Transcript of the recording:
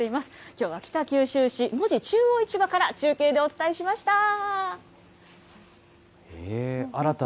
きょうは北九州市門司中央市場から中継でお伝えしました。